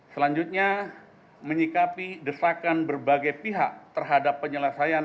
selanjutnya menyikapi desakan berbagai pihak terhadap penyelesaian